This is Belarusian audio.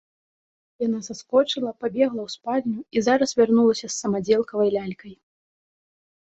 Яна саскочыла, пабегла ў спальню і зараз вярнулася з самадзелкавай лялькай.